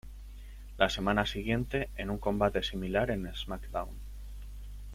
La semana siguiente, en un combate similar en "SmackDown!